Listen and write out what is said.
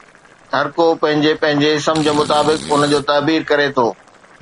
هر ڪو پنهنجي پنهنجي سمجهه مطابق ان جو تعبير ڪري ٿو.